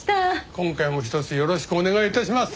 今回もひとつよろしくお願い致します。